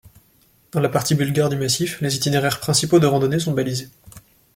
Dans la partie bulgare du massif, les itinéraires principaux de randonnée sont balisés.